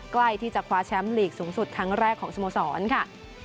ใกล้ที่จะคว้าแชมป์ลีกสูงสุดครั้งแรกของสโมสรค่ะ